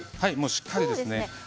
しっかりですね。